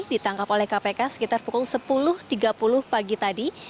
ditangkap oleh kpk sekitar pukul sepuluh tiga puluh pagi tadi